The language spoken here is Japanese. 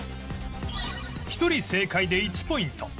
１人正解で１ポイント